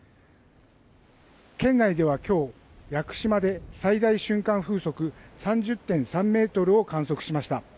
県内では今日、屋久島で最大瞬間風速３０．３メートルを観測しました。